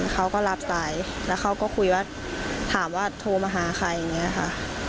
เขาก็รับสายแล้วเขาก็คุยว่าถามว่าโทรมาหาใครอย่างนี้ค่ะ